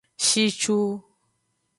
Shicu.